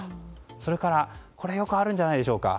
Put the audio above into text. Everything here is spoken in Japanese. それから、これよくあるんじゃないでしょうか。